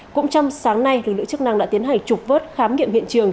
cũng trong sáng nay lực lượng chức năng đã tiến hành trục vớt khám nghiệm hiện trường